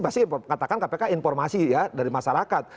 pasti katakan kpk informasi ya dari masyarakat